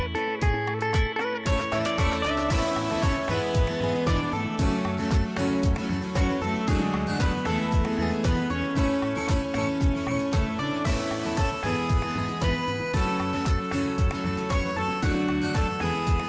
สวัสดีครับ